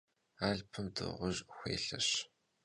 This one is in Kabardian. Alhpım dığuj xuelheş.